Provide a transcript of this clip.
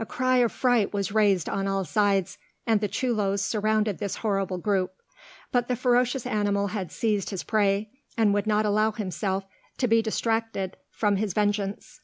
A cry of fright was raised on all sides, and the chulos surrounded this horrible group; but the ferocious animal had seized his prey, and would not allow himself to be distracted from his vengeance.